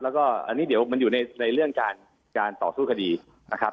แล้วก็อันนี้เดี๋ยวมันอยู่ในเรื่องการต่อสู้คดีนะครับ